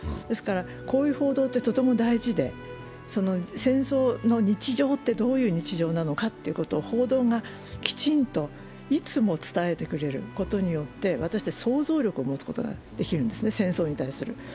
こういう報道ってとても大事で、戦争の日常ってどういう日常なのかって、報道がきちんといつも伝えてくれることによって、私たち、想像力を持つことができるんですね、戦争に対する。